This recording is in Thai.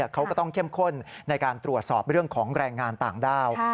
เขาก็ต้องเข้มข้นในการตรวจสอบเรื่องของแรงงานต่างด้าว